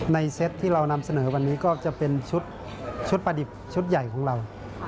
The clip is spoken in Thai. เซตที่เรานำเสนอวันนี้ก็จะเป็นชุดประดิษฐ์ชุดใหญ่ของเรา